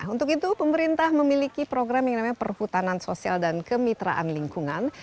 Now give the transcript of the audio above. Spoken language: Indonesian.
untuk itu pemerintah memiliki program yang namanya perhutanan sosial dan kemitraan lingkungan